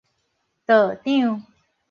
道長